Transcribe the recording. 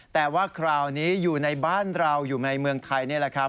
แต่ว่าคราวนี้อยู่ในบ้านเราอยู่ในเมืองไทยนี่แหละครับ